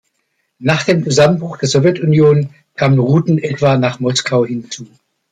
Nach dem Zusammenbruch der Sowjetunion kamen Routen etwa nach Moskau hinzu.